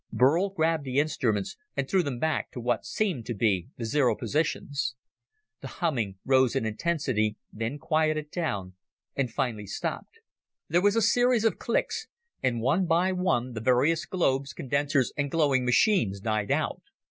Burl grabbed the instruments and threw them back to what seemed to be the zero positions. The humming rose in intensity, then quieted down and finally stopped. There was a series of clicks, and one by one, the various globes, condensers and glowing machines died out.